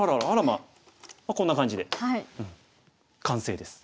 まあこんな感じで完成です。